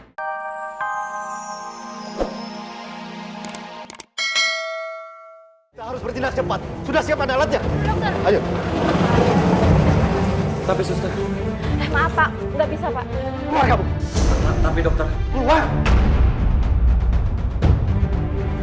kita harus bertindak cepat sudah siapkan alatnya